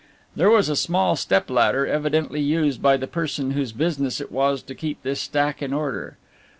There was a small step ladder, evidently used by the person whose business it was to keep this stack in order.